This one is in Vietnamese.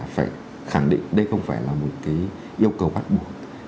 phải khẳng định đây không phải là một cái yêu cầu bắt buộc